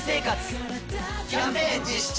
キャンペーン実施中！